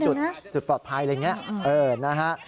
มันอยู่ตรงจุดปลอดภัยอะไรอย่างนี้